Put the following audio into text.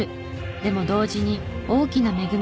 でも同時に大きな恵みをくれる。